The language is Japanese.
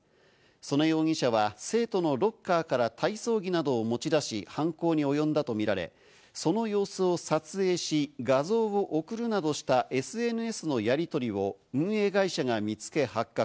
その容疑者は生徒のロッカーから体操着などを持ち出し、犯行に及んだとみられ、その様子を撮影し、画像を送るなどしたＳＮＳのやり取りを運営会社が見つけ発覚。